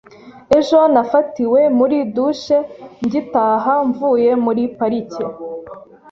Ejo nafatiwe muri douche ngitaha mvuye muri parike.